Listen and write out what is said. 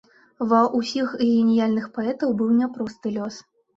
Ва ўсіх геніяльных паэтаў быў няпросты лёс.